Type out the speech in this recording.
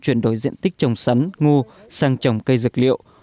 chuyển đổi diện tích trồng sắn ngô sang trồng cây dược liệu